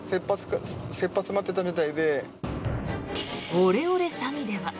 オレオレ詐欺では？